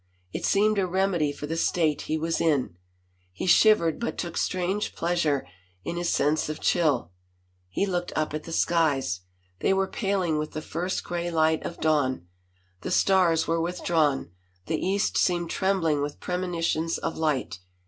It seemed a remedy for the state he was in. He shivered but took strange pleasure in his sense of chill. ... He looked up at the skies. They were paling with the first gray light of dawn: the stars were withdrawn, the east seemed trembling with premonitions of light.